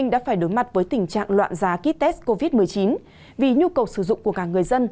đã phải đối mặt với tình trạng loạn giá kýt test covid một mươi chín vì nhu cầu sử dụng của cả người dân